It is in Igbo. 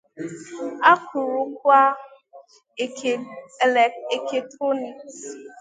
akụrụngwa eketrọniks